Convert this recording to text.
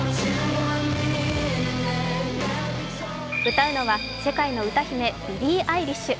歌うのは世界の歌姫、ビリー・アイリッシュ。